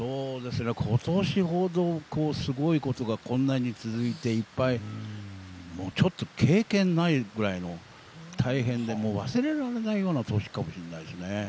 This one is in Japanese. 今年ほど、すごいことがこんなに続いてちょっと経験ないぐらいの大変でもう忘れられないような年かもしれないですね。